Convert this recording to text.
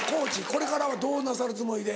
これからはどうなさるつもりで？